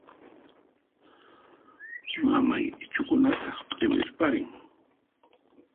Mamay ichhukunata q'iwirparin.